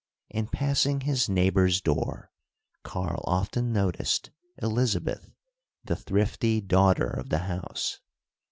In passing his neighbor's door, Karl often noticed Elizabeth, the thrifty daughter of the house.